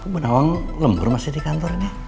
bu nawang lembur masih di kantornya